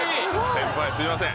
先輩すいません。